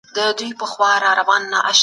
خپل هدف ته په نېغه لاره لاړ شه.